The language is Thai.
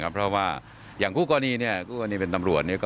เพราะว่าอย่างคู่กรณีเนี่ยคู่กรณีเป็นตำรวจเนี่ย